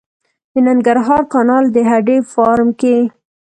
د ننګرهار کانال د هډې فارم کې